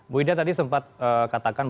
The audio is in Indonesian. bu ida tadi sempat katakan